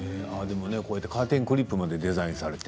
カーテンクリップまでデザインされて。